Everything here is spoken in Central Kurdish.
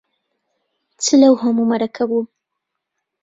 چ لەو هەموو مەرەکەب و